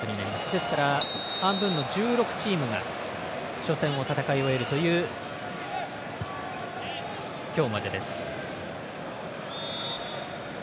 ですから、半分の１６チームが初戦を戦い終えるという今日までです。